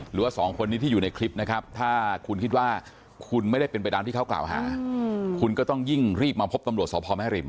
หรือว่าสองคนนี้ที่อยู่ในคลิปนะครับถ้าคุณคิดว่าคุณไม่ได้เป็นไปตามที่เขากล่าวหาคุณก็ต้องยิ่งรีบมาพบตำรวจสพแม่ริม